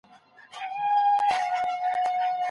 ګنجوالی ښايي د مور له کورنۍ ورپاتې وي.